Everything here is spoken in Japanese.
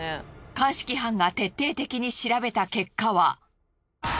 鑑識班が徹底的に調べた結果は。